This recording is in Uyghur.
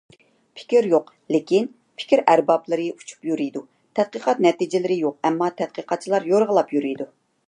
پىكىر يوق، لېكىن «پىكىر ئەربابلىرى» ئۇچۇپ يۈرىيدۇ، تەتقىقات نەتىجىلىرى يوق، ئەمما «تەتقىقاتچىلار» يورغىلاپ يۈرىيدۇ.